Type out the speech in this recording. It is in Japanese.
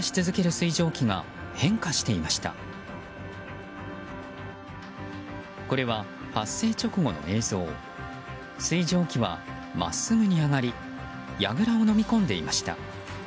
水蒸気は真っすぐに上がりやぐらをのみ込んでいました。